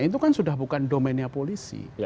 itu kan sudah bukan domennya polisi